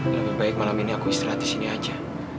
lebih baik malam ini aku istirahat disini aja